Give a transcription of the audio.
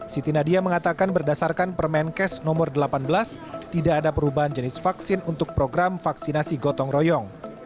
siti nadia mengatakan berdasarkan permenkes no delapan belas tidak ada perubahan jenis vaksin untuk program vaksinasi gotong royong